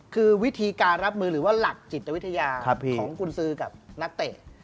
คือวิธีการรับมือหรือว่าหลักจิตวิทยาของกุญสือกับนักเตะ